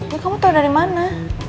ya kamu tahu dari mana